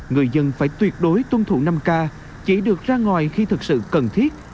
người dân phải tuyệt đối tuân thủ năm k chỉ được ra ngoài khi thực sự cần thiết